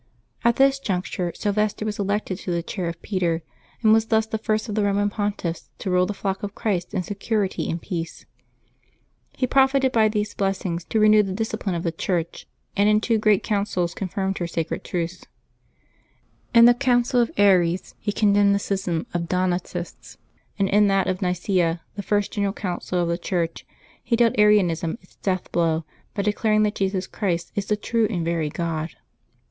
At this juncture Syl vester was elected to the chair of Peter, and was thus the first of the Eoman Pontiffs to rule the flock of Christ in security and peace. He profited by these blessings to renew the discipline of the Church, and in two great Councils confirmed her sacred truths. In the Council of Aries he condemned the schism of the Donatists; and in that of Nicaea, the first general Council of the Church, he dealt Arianism its death blow by declaring that Jesus Christ is the true and v ery God.